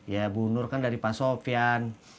ya bu nur kan dari pak sofian